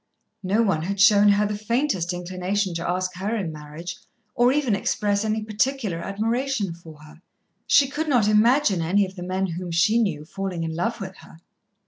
No one had shown her the faintest inclination to ask her in marriage, or even express any particular admiration for her. She could not imagine any of the men whom she knew falling in love with her.